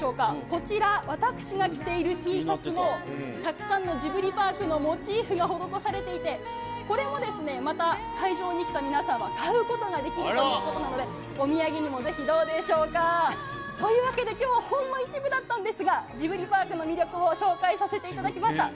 こちら、私が着ているＴシャツも、たくさんのジブリパークのモチーフが施されていて、これもまた、会場に来た皆さんは買うことができるということなので、お土産にもぜひどうでしょうか。というわけできょうはほんの一部だったんですが、ジブリパークの魅力を紹介させていただきました。